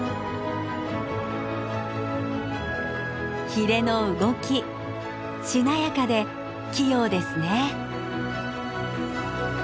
ひれの動きしなやかで器用ですね。